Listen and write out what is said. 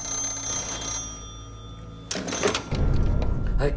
☎はい。